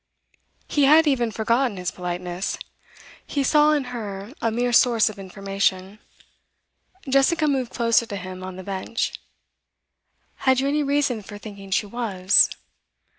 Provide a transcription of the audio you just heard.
He had even forgotten his politeness; he saw in her a mere source of information. Jessica moved closer to him on the bench. 'Had you any reason for thinking she was?